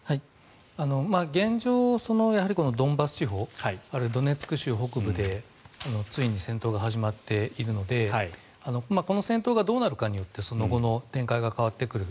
現状、このドンバス地方あるいはドネツク州北部でついに戦闘が始まっているのでこの戦闘がどうなるかによってその後の展開が変わってくる。